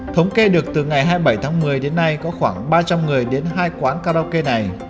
thống kê được từ ngày hai mươi bảy tháng một mươi đến nay có khoảng ba trăm linh người đến hai quán karaoke này